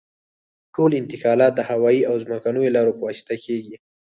ټول انتقالات د هوایي او ځمکنیو لارو په واسطه کیږي